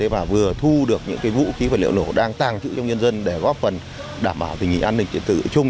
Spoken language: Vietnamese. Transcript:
và vừa thu được những vũ khí và liệu nổ đang tàng trữ trong nhân dân để góp phần đảm bảo tình hình an ninh tự trung